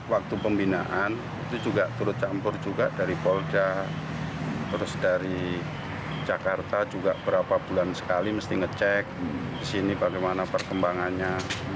waktu pembinaan itu juga turut campur juga dari polda terus dari jakarta juga berapa bulan sekali mesti ngecek di sini bagaimana perkembangannya